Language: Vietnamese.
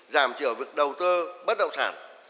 giảm triệu việc đầu tư bất động sản